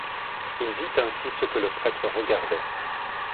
Il vit ainsi ce que le prêtre regardait.